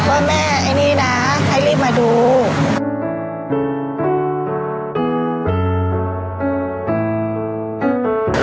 ว่าแม่ไอ้นี่นะให้รีบมาดู